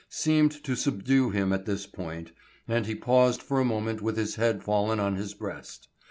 —seemed to subdue him at this point, and he paused for a moment with his head fallen on his breast.